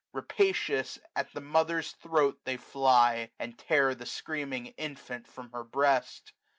Rapacious, at the mother's throat they fly. And tear the screaming infant from her breast.